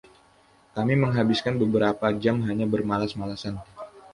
Kami menghabiskan beberapa jam hanya bermalas-malasan.